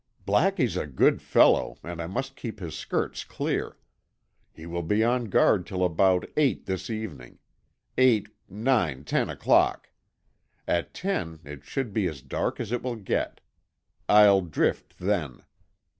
"Blackie's a good fellow, and I must keep his skirts clear. He will be on guard till about eight this evening. Eight—nine—ten o'clock. At ten it should be as dark as it will get. I'll drift then.